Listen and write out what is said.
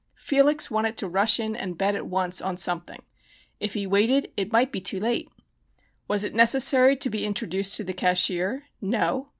Felix wanted to rush in and bet at once on something if he waited it might be too late. Was it necessary to be introduced to the cashier? No?